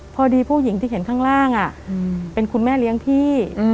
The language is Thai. พอดีผู้หญิงที่เห็นข้างล่างเป็นคุณแม่เลี้ยงพี่